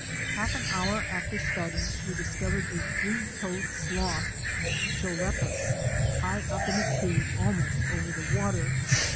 Half an hour after starting we discovered a Three toed Sloth (Choloepus) high up in a tree almost over the water.